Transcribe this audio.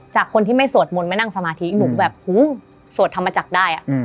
จากคนที่ไม่สวดมนต์ไม่นั่งสมาธิหนูแบบหูสวดธรรมจักรได้